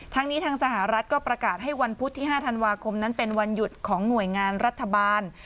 ทางนี้ทางสหรัฐก็ประกาศให้วันพุธที่๕ธันวาคมนั้นเป็นวันหยุดของหน่วยงานรัฐบาล